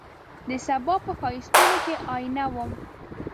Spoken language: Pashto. دسبا په ښایستون کي آئینه وم